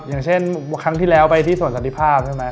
อย่างเช่นครั้งที่แล้วไปที่ส่วนสันติภาพใช่ไหม